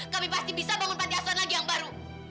kami pasti bisa bangun panti asuan lagi yang baru